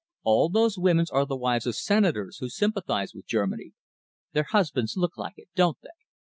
All those women are the wives of Senators who sympathise with Germany. Their husbands look like it, don't they?